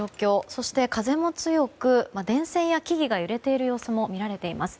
そして、風も強く電線や木々が揺れている様子も見られています。